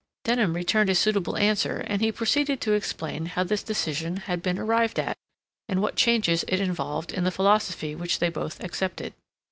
Denham returned a suitable answer, and he proceeded to explain how this decision had been arrived at, and what changes it involved in the philosophy which they both accepted.